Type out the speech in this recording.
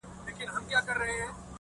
مرغۍ الوتې وه، خالي قفس ته ودرېدم .